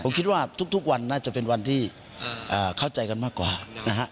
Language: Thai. ผมคิดว่าทุกวันน่าจะเป็นวันที่เข้าใจกันมากกว่านะฮะ